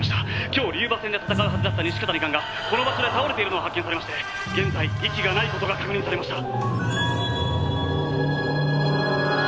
今日龍馬戦で戦うはずだった西片二冠がこの場所で倒れているのが発見されまして現在息がない事が確認されました！」